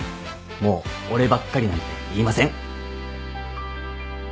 もう俺ばっかりなんて言いません。